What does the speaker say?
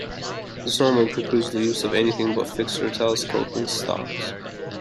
This normally precludes the use of anything but fixed or telescoping stocks.